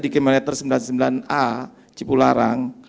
di kilometer sembilan puluh sembilan a cipularang